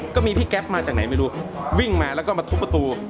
ก็มีพี่แก๊ปมาจากไหนไม่รู้วิ่งมาแล้วก็มาทุบประตู